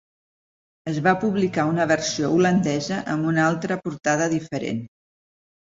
Es va publicar una versió holandesa amb una altra portada diferent.